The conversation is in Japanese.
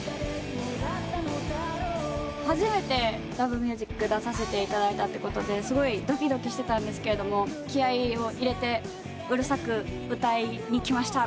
初めて『Ｌｏｖｅｍｕｓｉｃ』出させていただいたってことですごいドキドキしてたんですけど気合を入れてうるさく歌いに来ました。